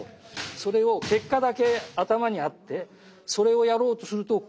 それを結果だけ頭にあってそれをやろうとするとこうなるかな。